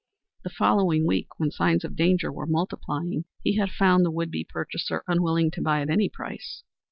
The following week, when signs of danger were multiplying, he had found the would be purchaser unwilling to buy at any price.